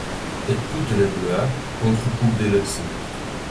Et toutes les douleurs, contre-coups de l'exil.